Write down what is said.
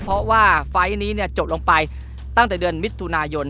เพราะว่าไฟล์นี้จบลงไปตั้งแต่เดือนมิถุนายน